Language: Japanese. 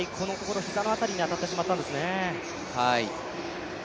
膝のあたりに当たってしまったんですね。